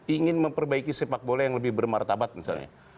ingin memperbaiki sepak bola yang lebih bermartabat misalnya